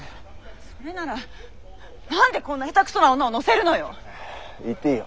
それなら何でこんな下手くそな女を乗せるのよ！